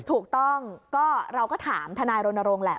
ถูกต้องก็เราก็ถามทนายรณรงค์แหละ